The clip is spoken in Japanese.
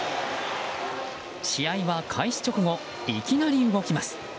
試合は開始直後いきなり動きます。